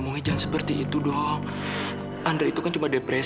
kita bicarainya baik baik